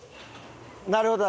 なるほどな。